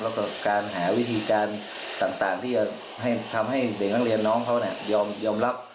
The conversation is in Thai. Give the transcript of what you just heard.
แล้วก็การหาวิธีการต่างที่จะทำให้เด็กนักเรียนน้องเขายอมรับ